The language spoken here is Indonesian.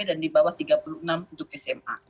dan di bawah tiga puluh enam untuk smp